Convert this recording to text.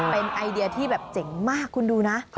เป็นไอเดียที่แบบเจ๋งมากคุณดูนะ